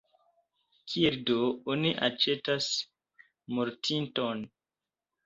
Kiel do oni aĉetas mortinton?